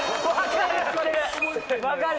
分かる！